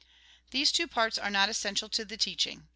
These two parts are not essential to the teaching.